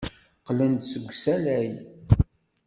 Qqlen-d seg usalay.